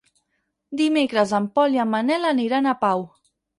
Dimecres en Pol i en Manel aniran a Pau.